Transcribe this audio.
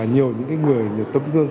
nhiều người nhiều tấm gương